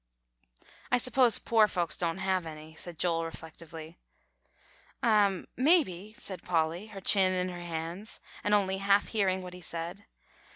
"I s'pose poor folks don't have any," said Joel reflectively. "Um maybe," said Polly, her chin in her hands, and only half hearing what he said.